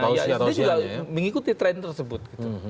dia juga mengikuti tren tersebut gitu